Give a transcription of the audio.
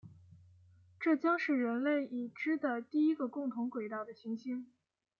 这将是人类已知的第一个共同轨道的行星。